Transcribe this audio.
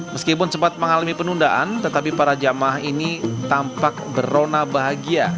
meskipun sempat mengalami penundaan tetapi para jamaah ini tampak berona bahagia